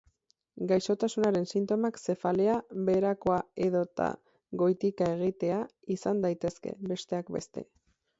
Gaixotasunaren sintomak zefalea, beherakoa edota goitika egitea izan daitezke, besteak beste.